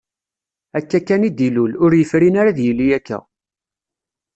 Akka kan i d-ilul, ur yefrin ara ad yili akka.